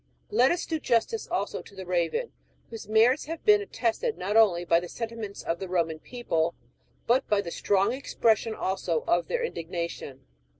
Let US do justice, also, to the raven, whose merits have been attested not only by the sentiments of the Roman people, but by the strong expression, also, of their indignation.